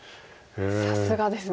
さすがですね。